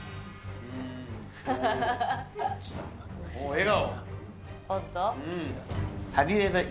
笑顔。